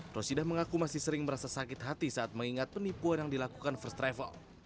rosidah mengaku masih sering merasa sakit hati saat mengingat penipuan yang dilakukan first travel